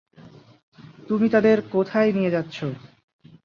তুমি তাদের কোথায় নিয়ে যাচ্ছ?